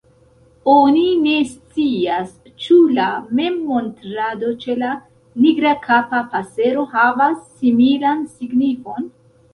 Oni ne scias ĉu la memmontrado ĉe la Nigrakapa pasero havas similan signifon.